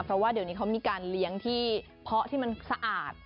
เพราะว่าเดี๋ยวนี้เขามีการเลี้ยงที่เพาะที่มันสะอาด